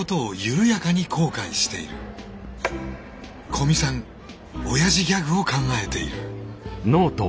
古見さんオヤジギャグを考えている。